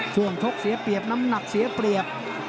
ส่วนต้องโชคเสียเปรียบน้ำหนักเสียเปรียบ